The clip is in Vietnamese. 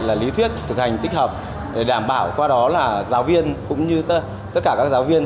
là lý thuyết thực hành tích hợp để đảm bảo qua đó là giáo viên cũng như tất cả các giáo viên